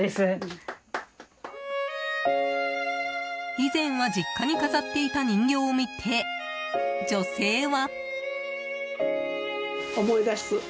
以前は実家に飾っていた人形を見て、女性は。